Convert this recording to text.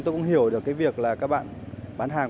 tôi cũng hiểu được cái việc là các bạn bán hàng